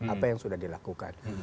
apa yang sudah dilakukan